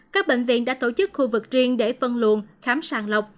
các bệnh viện đã tổ chức khu vực riêng để phân luồn khám sàng lộc